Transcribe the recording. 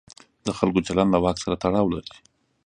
د خلکو چلند له واک سره تړاو لري.